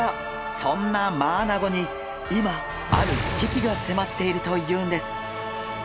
そんなマアナゴに今ある危機が迫っているというんです！